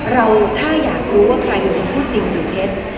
เราถ้าอยากินว่าใครเป็นผู้จริงหรือเพศ